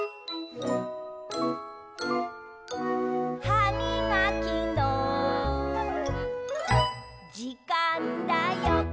「はみがきのじかんだよ！」